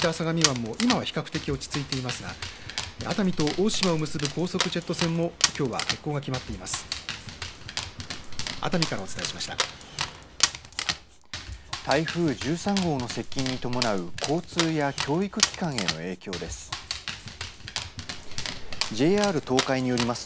白波が立って荒れていた相模湾も今は比較的、落ち着いていますが熱海と大島を結ぶ高速ジェット船もきょうは欠航が決まっています。